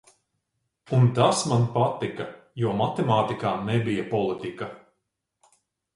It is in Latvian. Un tas man patika, jo matemātikā nebija politika.